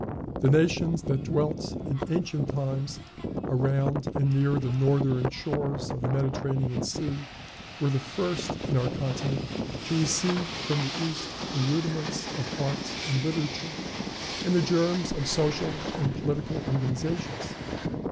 The nations that dwelt in ancient times around and near the northern shores of the Mediterranean Sea were the first in our continent to receive from the East the rudiments of art and literature, and the germs of social and political organizations.